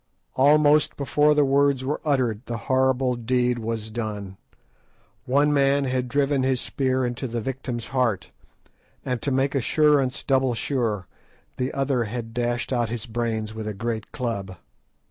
Almost before the words were uttered the horrible deed was done. One man had driven his spear into the victim's heart, and to make assurance double sure, the other had dashed out his brains with a great club.